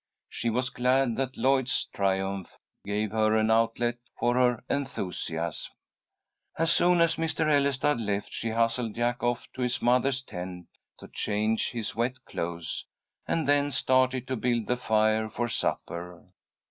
She was glad that Lloyd's triumph gave her an outlet for her enthusiasm. As soon as Mr. Ellestad left, she hustled Jack off to his mother's tent to change his wet clothes, and then started to build the fire for supper.